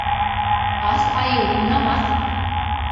Ас айыу уйнамаҫ.